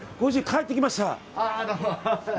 帰ってきました。